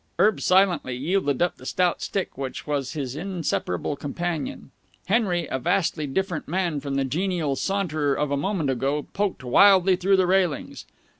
Erb silently yielded up the stout stick which was his inseparable companion. Henry, a vastly different man from the genial saunterer of a moment ago, poked wildly through the railings.